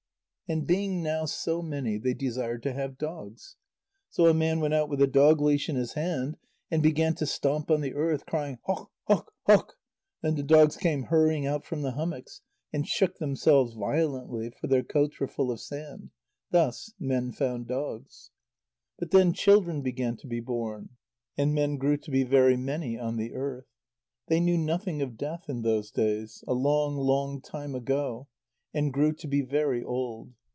And being now so many, they desired to have dogs. So a man went out with a dog leash in his hand, and began to stamp on the ground, crying "Hok hok hok!" Then the dogs came hurrying out from the hummocks, and shook themselves violently, for their coats were full of sand. Thus men found dogs. But then children began to be born, and men grew to be very many on the earth. They knew nothing of death in those days, a long, long time ago, and grew to be very old.